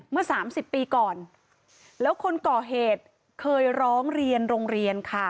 เมื่อสามสิบปีก่อนแล้วคนก่อเหตุเคยร้องเรียนโรงเรียนค่ะ